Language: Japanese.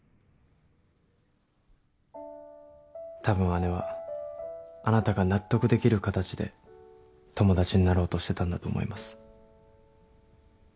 たぶん姉はあなたが納得できる形で友達になろうとしてたんだと思います。